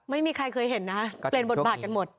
ไม่มีใครเคยเห็นนะเปลี่ยนบทบาทกันหมด